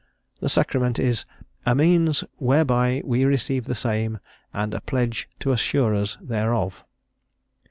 The sacrament is "a means whereby we receive the same, and a pledge to assure us thereof."